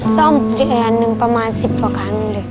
ซ่อมที่อีกอันหนึ่งประมาณ๑๐บาทครั้ง